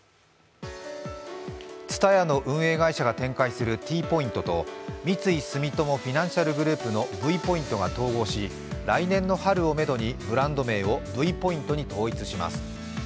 ＴＳＵＴＡＹＡの運営会社が展開するＴポイントと三井住友フィナンシャルグループのＶポイントが統合し来年の春をめどにブランド名をＶポイントに統一します。